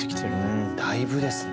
うんだいぶですね。